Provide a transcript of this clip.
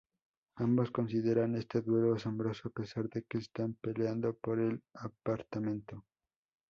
Ambos consideran este duelo asombroso a pesar de que están peleando por el apartamento.